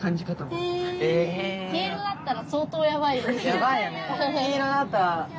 やばいよね。